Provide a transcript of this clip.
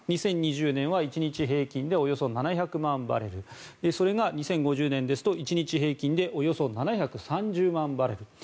２０２０年は１日平均でおよそ７００万バレルそれが２０５０年ですと１日平均でおよそ７３０万バレル。